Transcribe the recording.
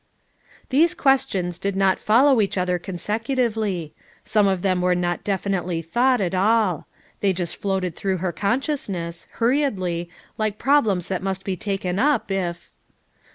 These questions did not follow each other consecutively; some of them were not definitely thought at all; they just floated through her consciousness, hurriedly, like problems that must be taken up if —